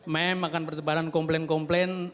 meme akan bertebaran komplain komplain